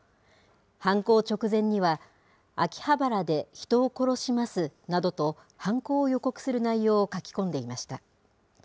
犯行直前には、秋葉原で人を殺しますなどと、犯行を予告する内容を書き込んでいました。